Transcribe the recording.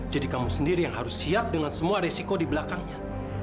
jadi kamu sendiri yang harus siap dengan semua resiko di belakangnya